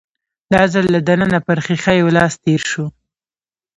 دا ځل له دننه پر ښيښه يو لاس تېر شو.